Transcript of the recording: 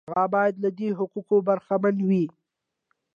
هغه باید له دې حقوقو برخمن وي.